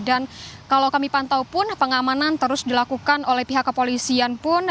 dan kalau kami pantau pun pengamanan terus dilakukan oleh pihak kepolisian pun